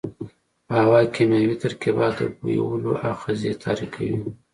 په هوا کې کیمیاوي ترکیبات د بویولو آخذې تحریکوي.